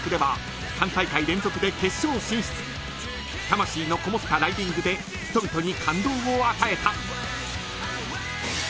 ［魂のこもったライディングで人々に感動を与えた］